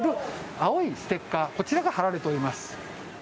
青いステッカーこちらが貼られております。